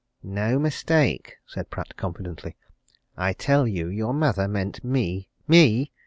"No mistake!" said Pratt confidently. "I tell you your mother meant me me!